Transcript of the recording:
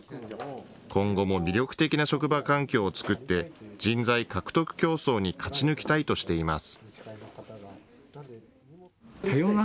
今後も魅力的な職場環境を作って人材獲得競争に勝ち抜きたいとしています。